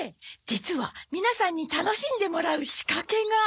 実は皆さんに楽しんでもらう仕掛けが。